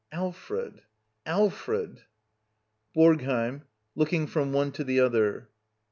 ] Alfred ! Alfred ! BoRGHEiM. [Looking from one to the other.